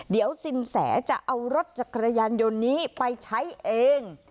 เดี๋ยวสินแสจะเอารถจักรยานยนต์นี้ไปใช้เอง